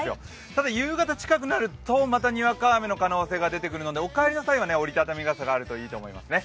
ただ夕方近くなるとまたにわか雨の可能性が出てくるのでお帰りの際は折りたたみ傘があるといいですね。